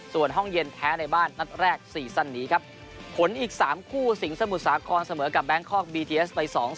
ส่วนห้องเย็นแพ้ในบ้านนัดแรกซีซั่นนี้ครับผลอีก๓คู่สิงสมุทรสาครเสมอกับแบงคอกบีทีเอสไป๒๐